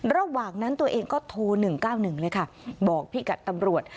ระหว่างนั้นตัวเองก็โทร๑๙๑เลยค่ะบอกพี่กัดตำรวจ